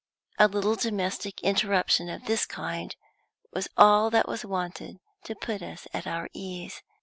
A little domestic interruption of this kind was all that was wanted to put us at our ease.